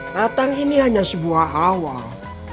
datang ini hanya sebuah awal